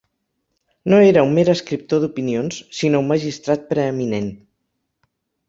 No era un mer escriptor d'opinions, sinó un magistrat preeminent.